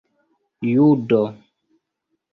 judo